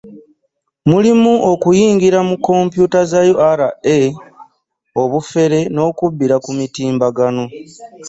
Mulimu okuyingira mu kkompyuta za URA, obufere n'okubbira ku mitimbagano